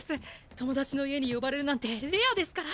友達の家に呼ばれるなんてレアですから！